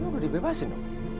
kita bebasin dong